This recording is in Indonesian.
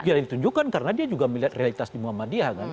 tidak ditunjukkan karena dia juga melihat realitas di muhammadiyah kan